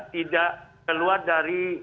tidak keluar dari